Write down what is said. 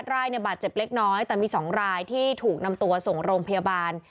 รายบาดเจ็บเล็กน้อยแต่มี๒รายที่ถูกนำตัวส่งโรงพยาบาล